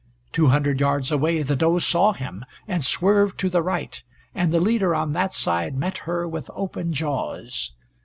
Two hundred yards away the doe saw him, and swerved to the right, and the leader on that side met her with open jaws.